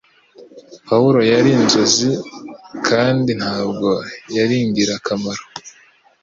Pawulo yari inzozi kandi ntabwo yari ingirakamaro